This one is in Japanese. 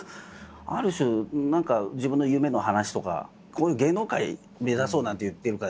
ある種何か自分の夢の話とかこういう芸能界目指そうなんて言ってるから。